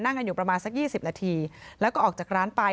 กันอยู่ประมาณสัก๒๐นาทีแล้วก็ออกจากร้านไป